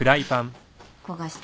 焦がした。